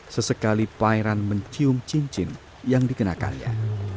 sesekali pairan mencium cincin yang dikenakannya